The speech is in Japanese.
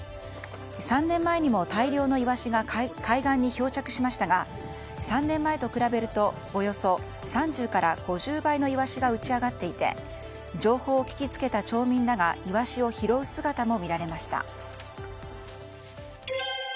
３年前にも大量のイワシが海岸に漂着しましたが３年前と比べるとおよそ３０から５０倍のイワシが打ち上がっていて情報を聞きつけた町民らがイワシを拾う姿も見られました。